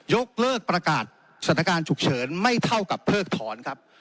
ยกเลิกประกาศสถานการณ์ฉุกเฉินไม่เท่ากับเพิกถอนครับ